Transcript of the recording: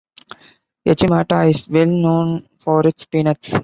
Yachimata is well known for its peanuts.